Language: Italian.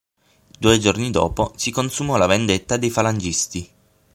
Due giorni dopo si consumò la vendetta dei falangisti.